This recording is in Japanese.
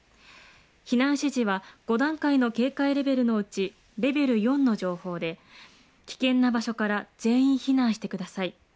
避難指示は５段階の警戒レベルのうちレベル４の情報で、危険な場所から全員避難してください。